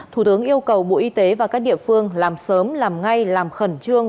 thủ tướng yêu cầu bộ y tế và các địa phương làm sớm làm ngay làm khẩn trương